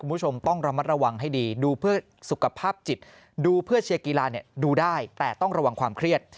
คุณผู้ชมต้องระมัดระวังให้ดีดูเพื่อสุขภาพจิตดูเพื่อเชียร์กีฬาดูได้แต่ต้องระวังความเครียด